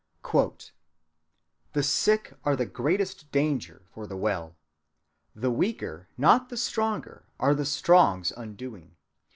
"The sick are the greatest danger for the well. The weaker, not the stronger, are the strong's undoing.